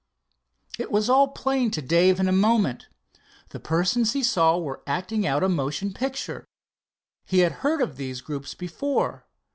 It was all plain to Dave in a moment. The persons he saw were acting out a motion picture. He had heard of these groups before.